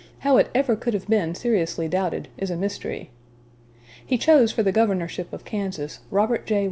How it ever could have been seriously doubted is a mystery." He chose for the governorship of Kansas, Robert J.